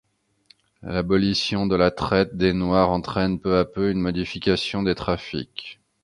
L'abolition de la traite des Noirs entraîne peu à peu une modification des trafics.